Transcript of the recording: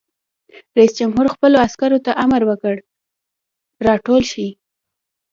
رئیس جمهور خپلو عسکرو ته امر وکړ؛ راټول شئ!